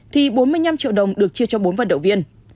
thì bốn mươi năm triệu đồng được chia cho bốn vận động viên